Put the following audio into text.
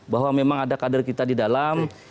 bahwa memang ada kader kita di dalam